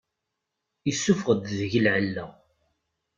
Yessufeɣ-d deg-i lεella.